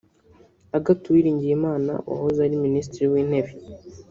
Agathe Uwilingiyimana wahoze ari Minisitiri w’Intebe